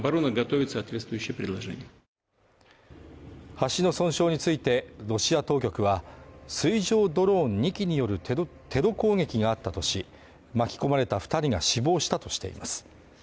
橋の損傷について、ロシア当局は、水上ドローン２機によるテロ攻撃があったとし巻き込まれた２人が死亡したとしています。